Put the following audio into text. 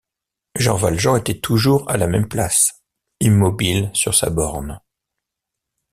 Jean Valjean était toujours à la même place, immobile sur sa borne.